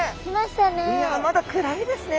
いやまだ暗いですね。